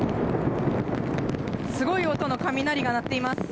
すごい音の雷が鳴っています。